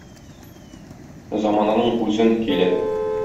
Замананың үзен, көйләп.